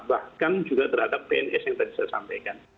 bahkan juga terhadap pns yang tadi saya sampaikan